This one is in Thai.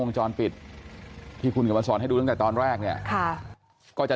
วงจรปิดที่คุณกลับมาสอนให้ดูตั้งแต่ตอนแรกเนี่ยค่ะก็จะ